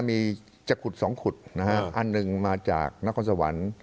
มีจะขุดสองขุดนะฮะอันหนึ่งมาจากนครสวรรค์